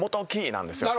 なんですよ。